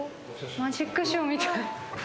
マジックショーみたい。